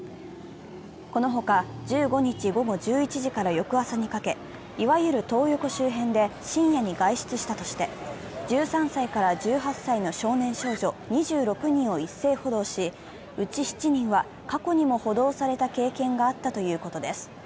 この他、１５日午後１１時から翌朝にかけ、いわゆるトー横周辺で深夜に外出したとして１３歳から１８歳の少年少女少年少女２６人を一斉補導し、うち７人は過去にも過去にも補導された経験があったということです。